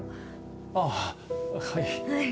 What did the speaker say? あぁはい。